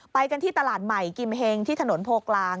ไปกันที่ตลาดใหม่กิมเฮงที่ถนนโพกลาง